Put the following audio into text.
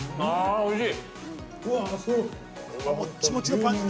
◆おいしい。